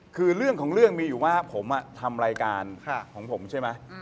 คือเรื่องของเรื่องมีอยู่ว่าผมทำรายการของผมใช่ไหม